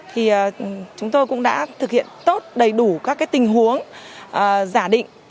thì chúng tôi cũng đã thực hiện tốt đầy đủ các tình huống giả định